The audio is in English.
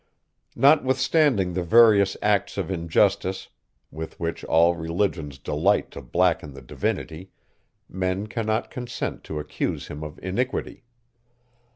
Notwithstanding the various acts of injustice, with which all religions delight to blacken the Divinity, men cannot consent to accuse him of iniquity.